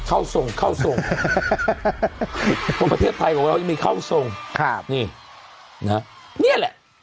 เข้าทรงเข้าทรงคนประเทศไทยของเรายังมีเข้าทรงครับนี่นะฮะเนี่ยแหละ